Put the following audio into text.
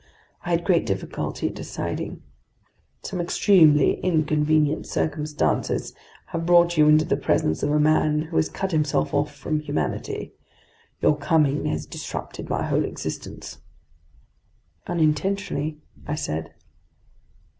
I had great difficulty deciding. Some extremely inconvenient circumstances have brought you into the presence of a man who has cut himself off from humanity. Your coming has disrupted my whole existence." "Unintentionally," I said.